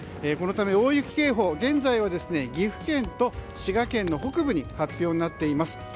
このため、大雪警報現在は岐阜県と滋賀県の北部に発表になっています。